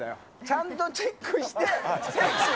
ちゃんとチェックして。